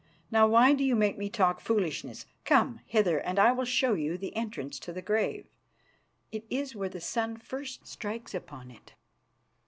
Now, why do you make me talk foolishness? Come hither, and I will show you the entrance to the grave; it is where the sun first strikes upon it."